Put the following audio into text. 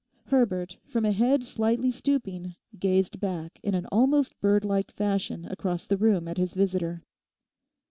Herbert, from a head slightly stooping, gazed back in an almost birdlike fashion across the room at his visitor.